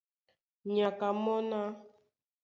Nyaka mɔ́ ná: